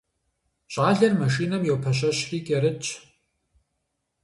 Щӏалэр машинэм йопэщэщри кӏэрытщ.